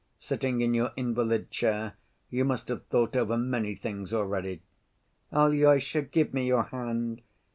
Sitting in your invalid chair you must have thought over many things already." "Alyosha, give me your hand.